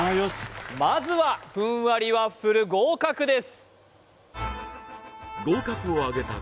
まずはふんわりワッフル合格です